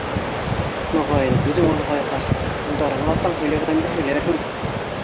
- Моғайын, үҙең олоғайғас, улдарыңа атаң һөйләгәнде һөйләрһең.